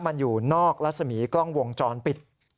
มันอยู่นอกรัศมีกล้องวงจรปิด